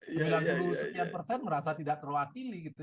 sembilan puluh sekian persen merasa tidak terwakili gitu